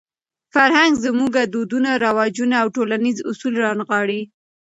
فرهنګ زموږ دودونه، رواجونه او ټولنیز اصول رانغاړي.